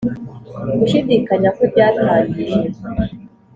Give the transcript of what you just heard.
gushidikanya kwe byatangiye